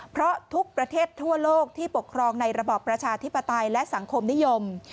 เพราะทุกประเทศทั่วโลกที่ปกครองในระบอบประชาธิปไตยและสังคมนิยม